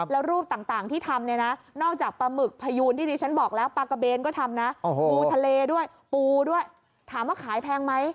แล้วรูปต่างที่ทำ